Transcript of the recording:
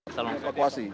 tidak ada evakuasi